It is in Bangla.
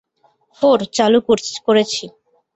ফোর, চালু করেছি।